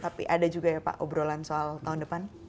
tapi ada juga ya pak obrolan soal tahun depan